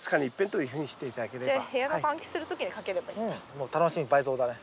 もう楽しみ倍増だね。